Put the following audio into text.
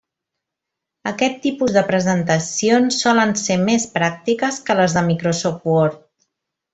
Aquest tipus de presentacions solen ser més pràctiques que les de Microsoft Word.